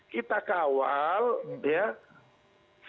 kita kawal ya sampai kpu betul betul mengumumkan pak prabowo lah pemenangnya